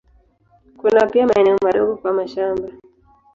Kuna pia maeneo madogo kwa mashamba.